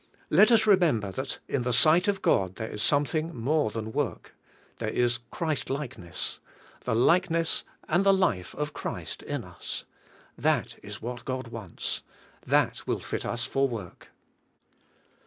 Let us remember that in the sight of God there is some thing more than work. There is Christh'keness — the likeness and the life of Christ in us. That is what God wants; that will fit us for work.